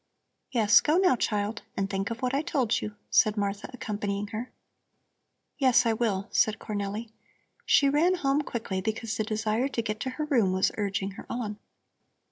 "Yes, go now, child, and think of what I told you!" said Martha, accompanying her. "Yes, I will," said Cornelli. She ran home quickly, because the desire to get to her room was urging her on.